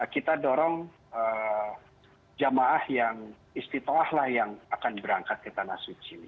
kita dorong jamaah yang istiqoahlah yang akan berangkat ke tanah suci ini